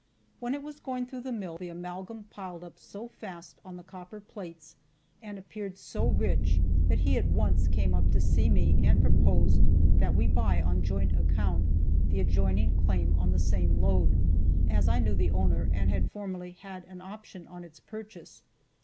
When it was going through the mill, the amalgam piled up so fast on the copper plates and appeared so rich that he at once came up to see me and proposed that we buy, on joint account, the adjoining claim on the same lode, as I knew the owner and had formerly had an option on its purchase.